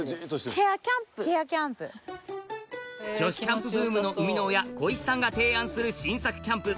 チェアキャンプ女子キャンプブームの生みの親こいしさんが提案する新作キャンプ